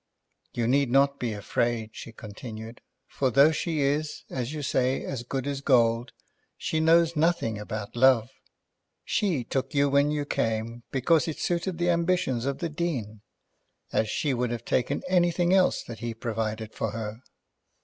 "You need not be afraid," she continued, "for though she is, as you say, as good as gold, she knows nothing about love. She took you when you came because it suited the ambition of the Dean, as she would have taken anything else that he provided for her."